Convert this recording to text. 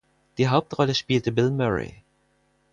Die Hauptrolle spielte Bill Murray.